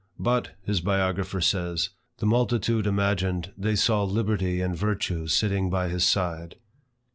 "But," his biographer says, "the multitude imagined they saw liberty and virtue sitting by his side."